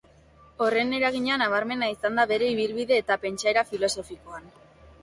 Horren eragina nabarmena izan da bere ibilbide eta pentsaera filosofikoan.